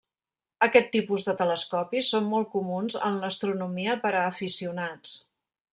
Aquest tipus de telescopis són molt comuns en l'astronomia per a aficionats.